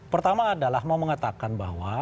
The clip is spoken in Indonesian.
pertama adalah mau mengatakan bahwa